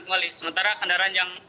kembali sementara kendaraan yang